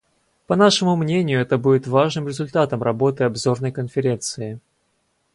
По нашему мнению, это будет важным результатом работы Обзорной конференции.